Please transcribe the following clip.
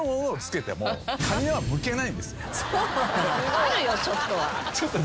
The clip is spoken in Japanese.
あるよちょっとは。